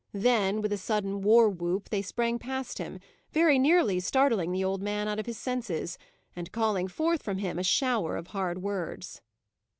Then, with a sudden war whoop, they sprang past him, very nearly startling the old man out of his senses, and calling forth from him a shower of hard words.